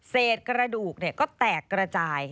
เศษกระดูกก็แตกกระจาย